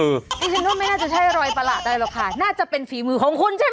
ฉันว่าไม่น่าจะใช่รอยประหลาดอะไรหรอกค่ะน่าจะเป็นฝีมือของคุณใช่ไหม